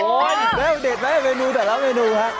โอ้โฮเด็ดแม่เมนูแต่ละเมนูครับ